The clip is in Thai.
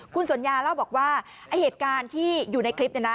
คุณสัญญาเล่าบอกว่าไอ้เหตุการณ์ที่อยู่ในคลิปเนี่ยนะ